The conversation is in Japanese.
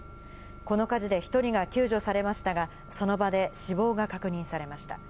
この火事で１人が救助されましたが、その場で死亡が確認されました。